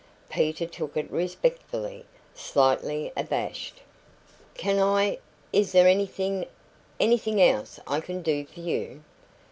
Peter took it respectfully, slightly abashed. "Can I is there anything anything I can do for you?"